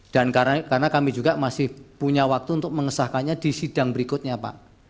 karena kami juga masih punya waktu untuk mengesahkannya di sidang berikutnya pak